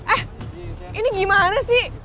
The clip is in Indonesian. eh ini gimana sih